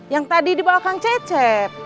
yang tadi dibawah kang cece